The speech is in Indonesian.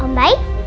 kamu ngapain di sini